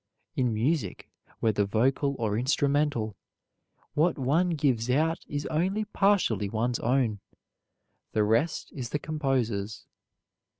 In music, whether vocal or instrumental, what one gives out is only partially one's own; the rest is the composer's.